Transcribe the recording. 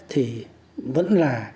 thì vẫn là